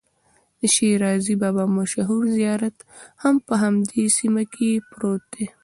د شیرازي بابا مشهور زیارت هم په همدې سیمه کې پروت دی.